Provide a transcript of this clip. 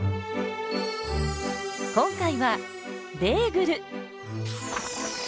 今回はベーグル！